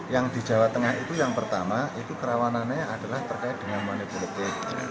yang di jawa tengah itu yang pertama itu kerawanannya adalah terkait dengan money politik